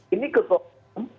ini ketua umum